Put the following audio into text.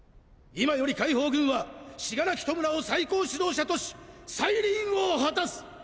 今より解放軍は死柄木弔を最高指導者とし再臨を果たす！